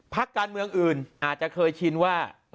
พักการเมืองอื่นอาจจะเคยชินว่า